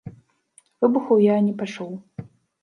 Выбуху я не пачуў.